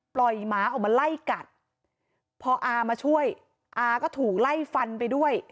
หมาออกมาไล่กัดพออามาช่วยอาก็ถูกไล่ฟันไปด้วย